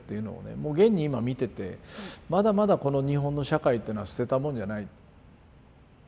もう現に今見ててまだまだこの日本の社会っていうのは捨てたもんじゃない。